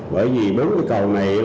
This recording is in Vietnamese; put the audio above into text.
bởi vì bốn cái cầu này